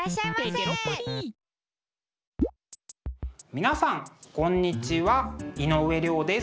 皆さんこんにちは井上涼です。